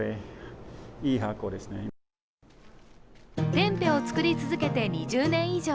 テンペを作り続けて２０年以上、